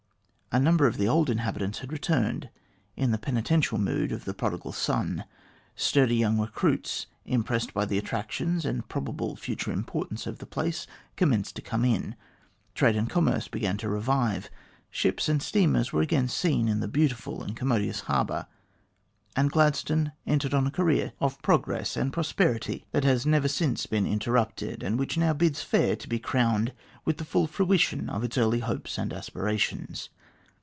A number of the old inhabitants had returned in the penitential mood of the prodigal son; sturdy young recruits, impressed by the attractions and probable future importance of the place, commenced to come in ; trade and commerce began to revive ; ships and steamers were again seen in the beautiful and commodious harbour, and Gladstone entered on a career 188 THE GLADSTONE OF TO DAY of progress and prosperity that has never since been inter rupted, and which now bids fair to be crowned with the full fruition of its early hopes and aspirations.